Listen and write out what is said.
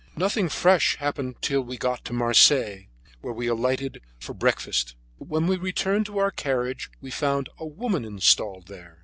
Nothing fresh happened till we got to Marseilles, where we alighted for breakfast, but when we returned to our carriage we found a woman installed there.